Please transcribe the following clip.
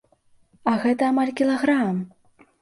А гэта амаль кілаграм!